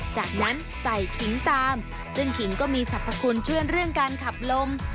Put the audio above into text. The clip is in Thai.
จากนั้นใส่ขิงตามซึ่งขิงก็มีสรรพคุณเชื่อเรื่องการขับลม